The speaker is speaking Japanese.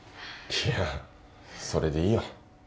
いやそれでいいよ